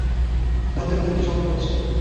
তাদের তিনটি সন্তান রয়েছে।